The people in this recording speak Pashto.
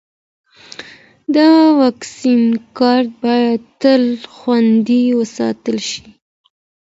د واکسین کارت باید تل خوندي وساتل شي.